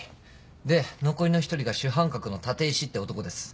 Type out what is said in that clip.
で残りの一人が主犯格の立石って男です。